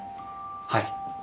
はい。